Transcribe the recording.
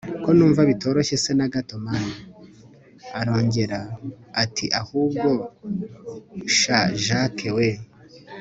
ko numva bitoroshye se nagato mn! arongera ati ahubwo sha jack we